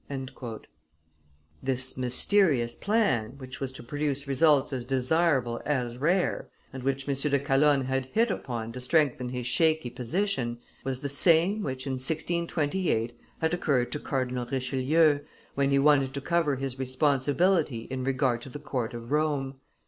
'" This mysterious plan, which was to produce results as desirable as rare, and which M. de Calonne had hit upon to strengthen his shaky position, was the same which, in 1628, had occurred to Cardinal Richelieu, when he wanted to cover his responsibility in regard to the court of Rome.